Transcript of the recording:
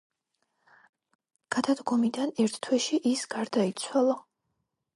გადადგომიდან ერთ თვეში ის გარდაიცვალა.